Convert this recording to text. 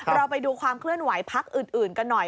เราไปดูความเคลื่อนไหวพักอื่นกันหน่อย